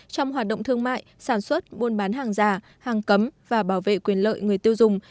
trong hoạt động thương mại sản xuất buôn bán hàng giả hàng cấm và bảo vệ quyền lợi người tiêu dùng